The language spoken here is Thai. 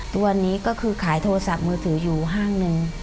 ตัวนี้ก็คือขายโทรศัพท์มือถืออยู่ห้างหนึ่ง